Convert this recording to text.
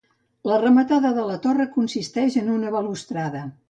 La rematada de la torre consisteix en una balustrada.